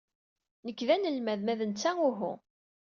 Nekk d anelmad, ma d netta uhu.